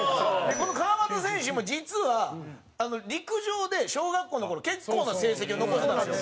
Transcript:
この川真田選手も実は陸上で小学校の頃結構な成績を残してたんですよ。